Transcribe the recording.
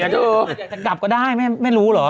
อยากจะกลับก็ได้ไม่รู้หรอ